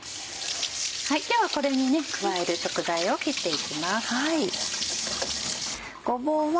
ではこれに加える食材を切っていきます。